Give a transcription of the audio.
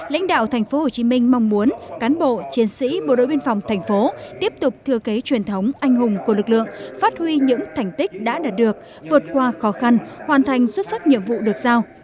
lãnh đạo tp hcm mong muốn cán bộ chiến sĩ bộ đội biên phòng thành phố tiếp tục thưa kế truyền thống anh hùng của lực lượng phát huy những thành tích đã đạt được vượt qua khó khăn hoàn thành xuất sắc nhiệm vụ được giao